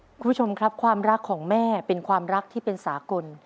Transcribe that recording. คุณผู้ชมครับความรักของแม่เป็นความรักที่เป็นสากล